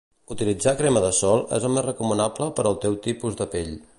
Utilitzar crema de sol és el més recomanable per al teu tipus de pell.